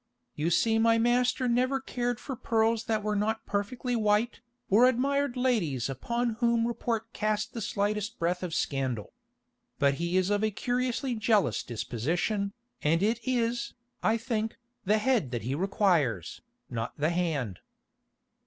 You see my master never cared for pearls that were not perfectly white, or admired ladies upon whom report cast the slightest breath of scandal. But he is of a curiously jealous disposition, and it is, I think, the head that he requires, not the hand."